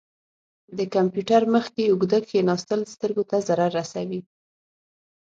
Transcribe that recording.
د کمپیوټر مخ کې اوږده کښیناستل سترګو ته ضرر رسوي.